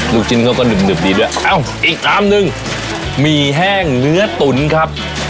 ลูกชิ้นเขาก็หนึบดีด้วยเอ้าอีกอามหนึ่งหมี่แห้งเนื้อตุ๋นครับ